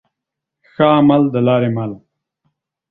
ښه عمل د لاري مل.